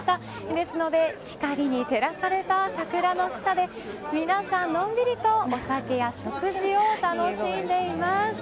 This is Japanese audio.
ですので光に照らされた桜の下で皆さん、のんびりとお酒や食事を楽しんでいます。